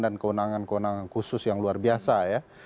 dan keunangan keunangan khusus yang luar biasa ya